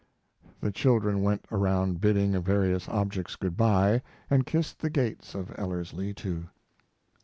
The children went around bidding various objects good by and kissed the gates of Ellerslie too.